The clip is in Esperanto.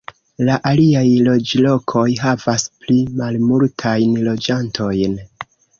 La aliaj loĝlokoj havas pli malmultajn loĝantojn.